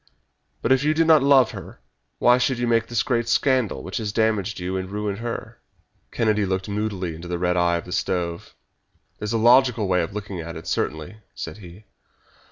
But if you did not love her why should you make this great scandal which has damaged you and ruined her?" Kennedy looked moodily into the red eye of the stove. "That's a logical way of looking at it, certainly," said he.